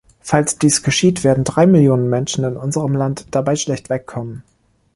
Falls dies geschieht, werden drei Millionen Menschen in unserem Land dabei schlecht wegkommen.